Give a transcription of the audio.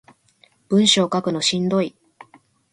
文章書くのしんどい